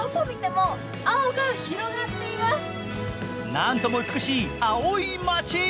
なんとも美しい青い街！